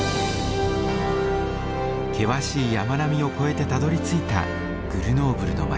険しい山並みを越えてたどりついたグルノーブルの街。